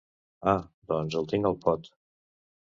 Ah, doncs el tinc al pot.